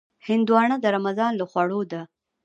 هندوانه د رمضان له خوړو ده.